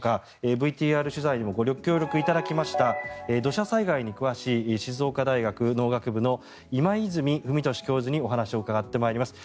ＶＴＲ取材にもご協力いただきました土砂災害に詳しい静岡大学農学部の今泉文寿教授にお話を伺ってまいります。